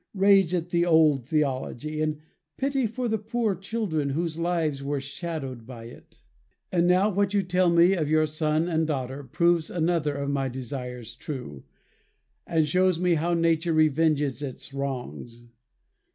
Rage at the old theology, and pity for the poor children whose lives were shadowed by it. And now what you tell me of your son and daughter proves another of my theories true, and shows me how nature revenges its wrongs.